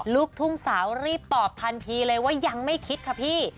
ลูกทุ่งสาวรีบตอบทันทีเลยว่ายังไม่คิดค่ะพี่